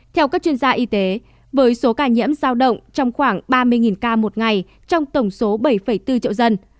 theo các chuyên gia y tế với số ca nhiễm giao động trong khoảng ba mươi ca một ngày trong tổng số bảy bốn triệu dân